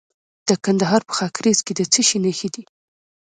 د کندهار په خاکریز کې د څه شي نښې دي؟